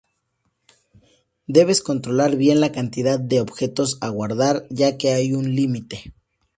Debes controlar bien la cantidad de objetos a guardar, ya que hay un límite.